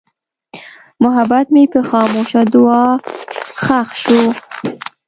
محبت مې په خاموشه دعا کې ښخ شو.